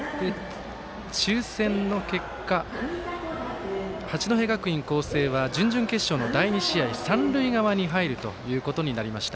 抽せんの結果、八戸学院光星は準々決勝の第２試合、三塁側に入るということになりました。